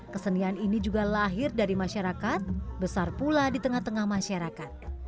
kesenian ini juga lahir dari masyarakat besar pula di tengah tengah masyarakat